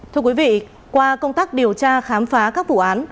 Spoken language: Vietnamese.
thưa quý vị qua công tác điều tra khám phá các vụ án